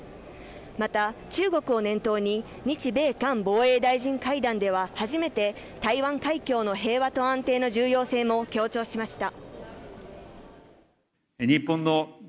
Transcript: また、中国を念頭に日米韓防衛大臣会談では初めて、台湾海峡の平和と安定の重要性も強調しました。